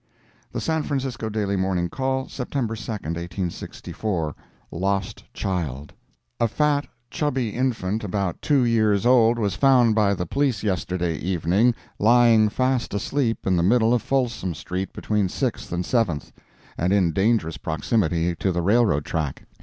The San Francisco Daily Morning Call, September 2, 1864 LOST CHILD A fat, chubby infant, about two years old, was found by the police yesterday evening, lying fast asleep in the middle of Folsom street, between Sixth and Seventh, and in dangerous proximity to the railroad track.